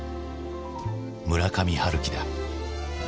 村上春樹だ。